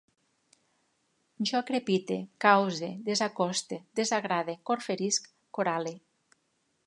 Jo crepite, cause, desacoste, desagrade, corferisc, corale